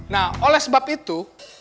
nah oleh sebab itu